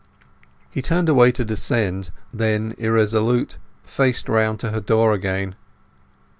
He turned away to descend; then, irresolute, faced round to her door again.